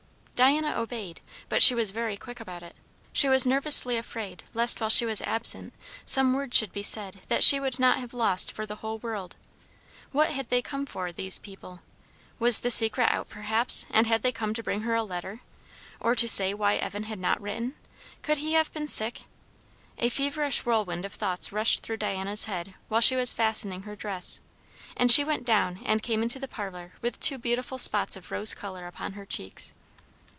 Diana obeyed, but she was very quick about it; she was nervously afraid lest while she was absent some word should be said that she would not have lost for the whole world. What had they come for, these people? Was the secret out, perhaps, and had they come to bring her a letter? Or to say why Evan had not written? Could he have been sick? A feverish whirlwind of thoughts rushed through Diana's head while she was fastening her dress; and she went down and came into the parlour with two beautiful spots of rose colour upon her cheeks.